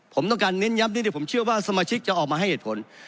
ผมต้องการเน้นย้ำนิดเดียวผมเชื่อว่าสมาชิกจะออกมาให้เหตุผล